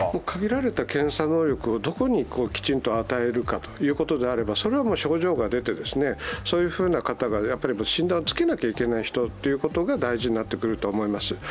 限られた検査能力をどこにきちんと与えるかということであればそれは症状が出て、そのような方が診断つけなきゃいけない人が大事になってくると思います。